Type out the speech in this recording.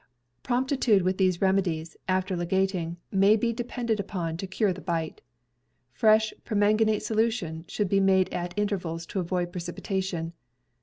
Promptitude with these remedies, after ligating, may be depended upon to cure the bite. Fresh perman ganate solution should be made at intervals to avoid precipitation.